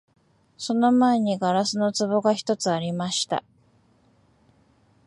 その前に硝子の壺が一つありました